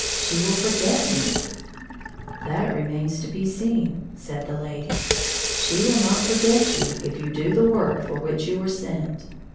" She will forget me " "That remains to be seen," said the lady. " She will not forget you if you do the work for which you were sent."